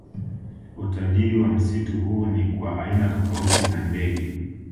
Utajiri wa msitu huu ni kwa aina tofauti za ndege